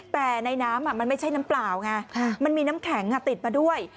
แต่ในน้ำมันไม่ใช่น้ำเปล่าไงมันมีน้ำแข็งติดมาด้วย